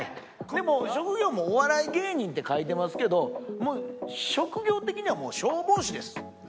でも職業も「お笑い芸人」って書いてますけど職業的にはもう消防士です。